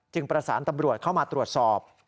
ประสานตำรวจเข้ามาตรวจสอบ